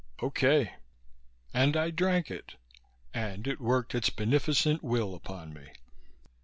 "Okay!" And I drank it and it worked its beneficent will upon me.